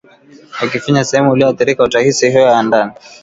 Ukifinya sehemu iliyoathirika utahisi hewa ya ndani